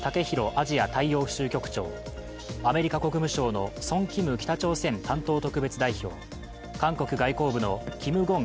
アジア大洋州局長、アメリカ国務省のソン・キム北朝鮮担当特別代表、韓国外交部のキム・ゴン